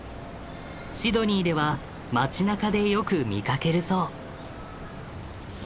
シドニーでは街なかでよく見かけるそう。